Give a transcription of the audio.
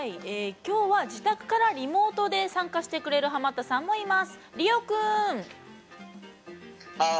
きょうは自宅からリモートで参加してくれるハマったさんもいます。